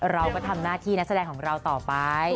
เราก็ทำหน้าที่นักแสดงของเราต่อไป